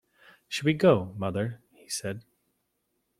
“Should we go, mother?” he said.